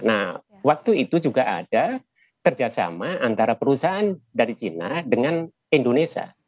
nah waktu itu juga ada kerjasama antara perusahaan dari china dengan indonesia